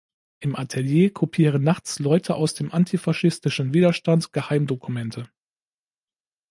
Im Atelier kopieren nachts Leute aus dem antifaschistischen Widerstand Geheimdokumente.